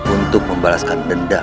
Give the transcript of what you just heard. untuk memperbaiki keadaan yang baik